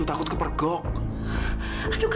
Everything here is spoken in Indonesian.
aku mencari spoke nya